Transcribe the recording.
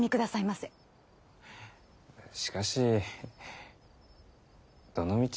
しかしどのみち